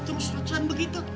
lalu terus lucuan begitu